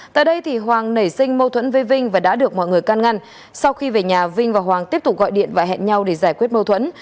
tại đây hoàng nảy sinh mâu thuẫn với vinh và đã được mọi người can ngăn sau khi về nhà vinh và hoàng tiếp tục gọi điện và hẹn nhau để giải quyết mâu thuẫn